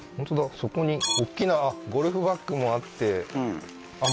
そこにおっきなゴルフバッグもあってあっ